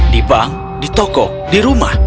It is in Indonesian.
di bank di toko di rumah